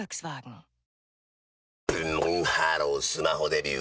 ブンブンハロースマホデビュー！